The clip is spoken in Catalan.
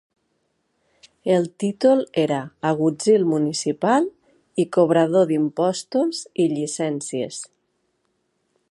El títol era agutzil municipal i cobrador d'impostos i llicències.